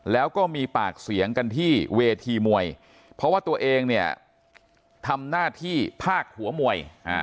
แล้วก็มีปากเสียงกันที่เวทีมวยเพราะว่าตัวเองเนี่ยทำหน้าที่ภาคหัวมวย